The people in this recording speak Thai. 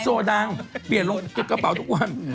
โซดังเปลี่ยนลงเก็บกระเป๋าทุกวัน